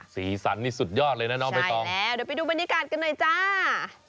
สีสันนี่สุดยอดเลยนะน้องใบตองเดี๋ยวไปดูบรรยากาศกันหน่อยจ้า